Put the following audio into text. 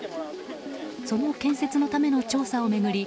その建設のための調査を巡り